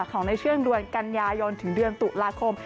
ของในช่วงเดือนกันยายนถึงเดือนตุลาคม